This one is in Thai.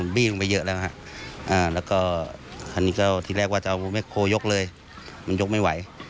บี้ลงไปเยอะแล้วฮะแล้วก็อันนี้ก็ที่แรกว่าจะเอาแม่โคยกเลยมันยกไม่ไหว